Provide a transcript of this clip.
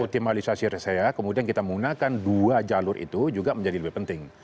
optimalisasi resea kemudian kita menggunakan dua jalur itu juga menjadi lebih penting